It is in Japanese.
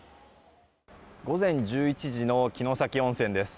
午前１１時の城崎温泉です。